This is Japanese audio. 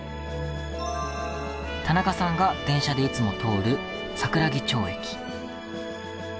田中さんが電車でいつも通る桜木町駅。